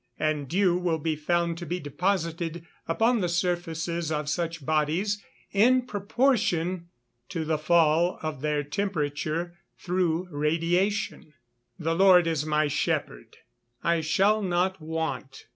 And dew will be found to be deposited upon the surfaces of such bodies in proportion to the fall of their temperature through radiation. [Verse: "The Lord is my shepherd, I shall not want.